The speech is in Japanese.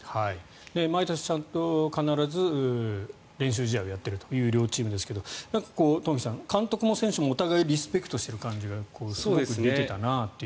毎年、ちゃんと必ず練習試合をやっているという両チームですが東輝さん、監督も選手もお互いにリスペクトしている感じがすごく出てたなという。